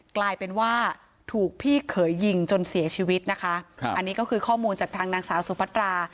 กลายเป็นว่าถูกพี่เขยยิงจนเสียชีวิตนะคะครับอันนี้ก็คือข้อมูลจากทางนางสาวสุพัตรา